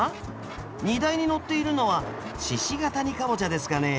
荷台に載っているのは鹿ケ谷かぼちゃですかね？